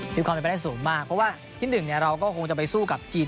มีความเป็นไปได้สูงมากเพราะว่าที่หนึ่งเราก็คงจะไปสู้กับจีน